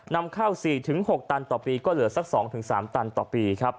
นำเข้า๔๖ตันต่อปีก็เหลือสัก๒๓ตันต่อปีครับ